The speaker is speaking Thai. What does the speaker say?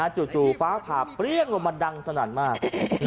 จู่ฟ้าผ่าเปรี้ยงลงมาดังสนั่นมาก